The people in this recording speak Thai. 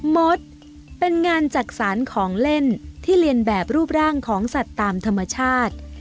มดเป็นงานจักษานของเล่นที่เรียนแบบรูปร่างของสัตว์ตามธรรมชาติ